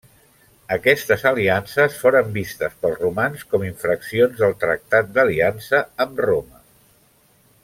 Aquestes aliances foren vistes pels romans com infraccions del tractat d'aliança amb Roma.